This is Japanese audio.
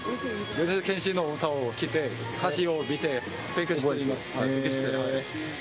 米津玄師の歌を聴いて、歌詞を見て勉強しました。